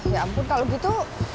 ya ampun kalau gitu